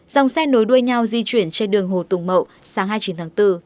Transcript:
dòng xe nối đuôi nhau di chuyển trên đường hồ tùng mậu sáng hai mươi chín tháng bốn